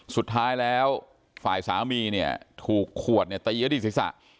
สุดท้ายแล้วฝ่ายสามีเนี้ยถูกขวดเนี้ยตายีแล้วดิสิศภาพ